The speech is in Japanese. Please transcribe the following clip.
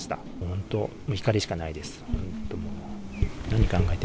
本当、怒りしかないです。